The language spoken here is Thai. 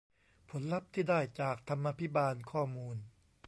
ผลลัพธ์ที่ได้จากธรรมาภิบาลข้อมูล